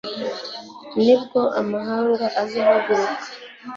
nibwo amahanga azahaguruka